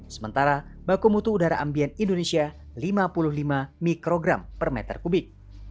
sementara baku mutu udara ambien indonesia lima puluh lima mikrogram per meter kubik